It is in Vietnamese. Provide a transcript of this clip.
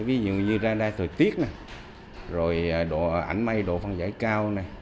ví dụ như radar thời tiết này rồi ảnh mây độ phân giải cao này